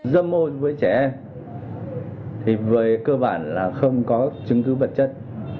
dâm ô với trẻ em thì với cơ bản là không có chứng cứ vật chất